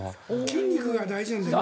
筋肉が大事なんだよね。